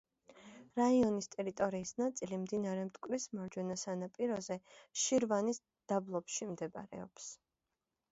რაიონის ტერიტორიის ნაწილი მდინარე მტკვრის მარჯვენა სანაპიროზე, შირვანის დაბლობში მდებარეობს.